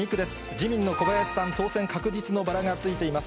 自民の小林さん、当選確実のバラがついています。